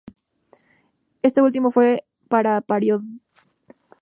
Este último fue para parodiar el escándalo de Alec Baldwin con American Airlines.